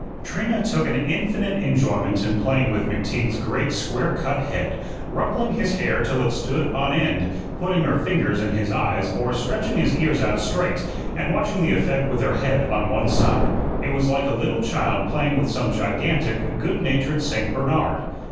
Trina took an infinite enjoyment in playing with McTeague's great square cut head, rumpling his hair till it stood on end, putting her fingers in his eyes, or stretching his ears out straight, and watching the effect with her head on one side. It was like a little child playing with some gigantic, good natured Saint Bernard.